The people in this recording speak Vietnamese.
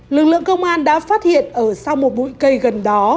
lực lượng công an đã phát hiện ở sau một bụi cây gần đó